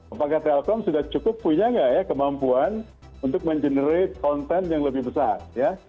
apakah telkom sudah cukup punya nggak ya kemampuan untuk mengenerate konten yang lebih besar ya